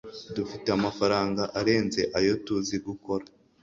dufite amafaranga arenze ayo tuzi gukora